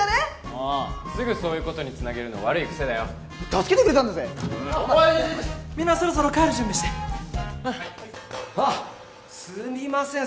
もうすぐそういうことに繋げるの悪いクセだよ助けてくれたんだぜみんなそろそろ帰る準備してああすみません